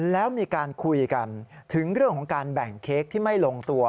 แล้วมีการคุยกันถึงเรื่องของการแบ่งเค้กที่ไม่ลงตัว